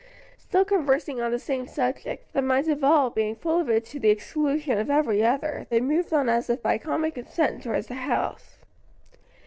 Still conversing on the same subject, the minds of all being full of it to the exclusion of every other, they moved on as if by common consent towards the house.